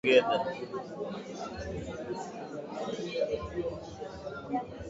They share a love of the blues and have two sons together.